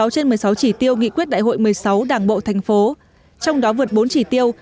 một mươi trên một mươi sáu chỉ tiêu nghị quyết đại hội một mươi sáu đảng bộ thành phố trong đó vượt bốn chỉ tiêu